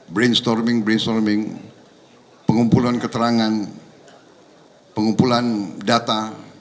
brainstorming brainstorming pengumpulan keterangan pengumpulan data